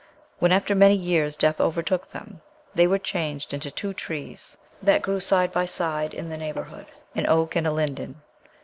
When, after many years, death overtook them, they were changed into two trees, that grew side by side in the neighborhood an oak and a linden."